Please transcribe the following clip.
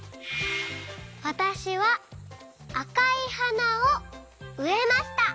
わたしはあかいはなをうえました。